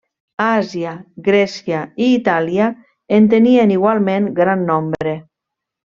Àsia, Grècia i Itàlia, en tenien igualment gran nombre.